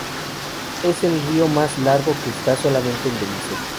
Es el río más largo que está solamente en Belice.